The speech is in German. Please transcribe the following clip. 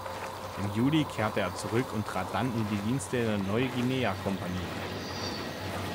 Im Juli kehrte er zurück und trat dann in die Dienste der Neuguinea-Kompanie.